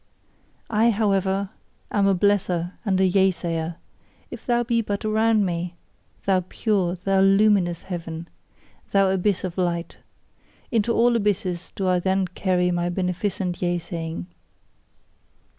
I, however, am a blesser and a Yea sayer, if thou be but around me, thou pure, thou luminous heaven! Thou abyss of light! into all abysses do I then carry my beneficent Yea saying.